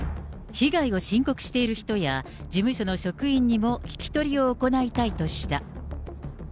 被害を申告している人や、事務所の職員にも聞き取りを行いたいとした。